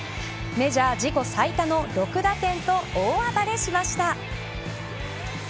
メジャー自己最多の６打点と大暴れしました。